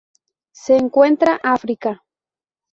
Se encuentra África.